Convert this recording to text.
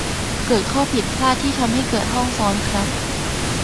เกิดข้อผิดพลาดที่ทำให้เกิดห้องซ้อนครับ